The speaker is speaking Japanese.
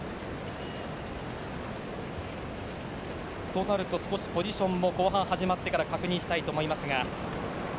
となると、少しポジションも後半始まってから確認したいと思いますが。